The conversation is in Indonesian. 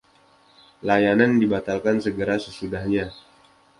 Layanan dibatalkan segera sesudahnya.